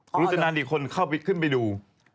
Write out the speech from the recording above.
คุณรจนานอีกคนขึ้นไปดู